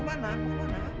lo mau kemana kemana